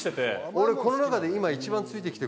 俺この中で。